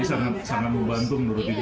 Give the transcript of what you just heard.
iya sangat membantu